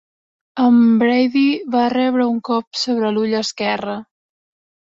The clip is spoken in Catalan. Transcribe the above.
En Brady va rebre un cop sobre l'ull esquerre.